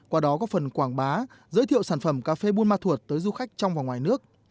qua đó góp phần quảng bá giới thiệu sản phẩm cà phê buôn ma thuột tới du khách trong và ngoài nước